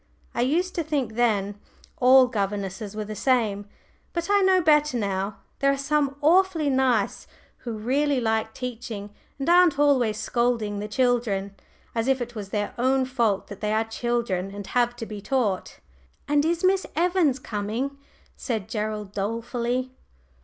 I used to think then all governesses were the same, but I know better now. There are some awfully nice, who really like teaching, and aren't always scolding the children, as if it was their own fault that they are children and have to be taught. "And is Miss Evans coming?" said Gerald, dolefully.